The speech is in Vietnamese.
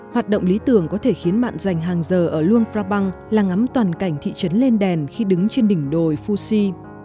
hoạt động lý tưởng có thể khiến bạn dành hàng giờ ở luang prabang là ngắm toàn cảnh thị trấn lên đèn khi đứng trên đỉnh đồi phu si